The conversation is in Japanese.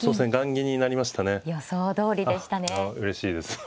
予想どおりでしたね。